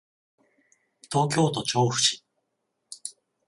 東京都調布市